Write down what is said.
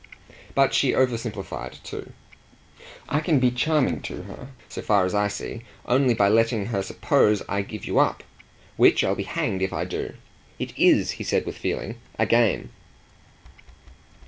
But she oversimplified too. "I can be 'charming' to her, so far as I see, only by letting her suppose I give you up which I'll be hanged if I do! It IS," he said with feeling, "a game."